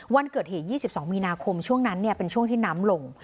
วันเกิดเหตุยี่สิบสองมีนาคมช่วงนั้นเนี่ยเป็นช่วงที่น้ำลง